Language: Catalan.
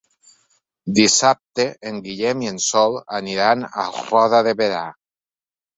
Dissabte en Guillem i en Sol aniran a Roda de Berà.